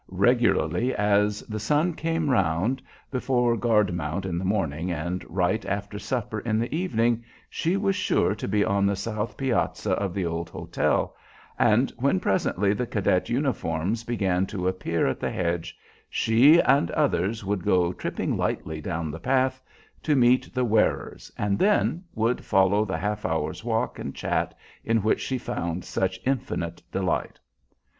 Regularly as the sun came around, before guard mount in the morning and right after supper in the evening, she was sure to be on the south piazza of the old hotel, and when presently the cadet uniforms began to appear at the hedge, she, and others, would go tripping lightly down the path to meet the wearers, and then would follow the half hour's walk and chat in which she found such infinite delight.